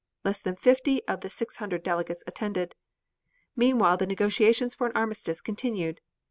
Less than 50 of the 600 delegates attended. Meanwhile the negotiations for an armistice continued.